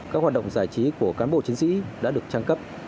các hoạt động giải trí của cán bộ chiến sĩ đã được trang cấp